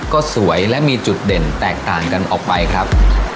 ก็สวยและมีจุดเด่นแตกต่างกันออกไปครับ